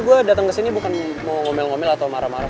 gue kan mau ngomel ngomel atau marah marah